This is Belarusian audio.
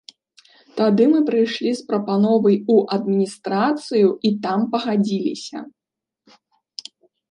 Тады мы прыйшлі з прапановай ў адміністрацыю і там пагадзіліся.